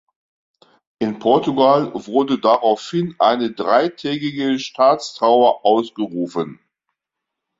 In Portugal wurde daraufhin eine dreitägige Staatstrauer ausgerufen.